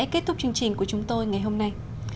và huy mc cũng thế